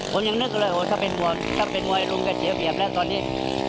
ผมยังนึกเลยโอ้โหถ้าเป็นมวยลุงแกเสียเปรียบแล้วตอนนี้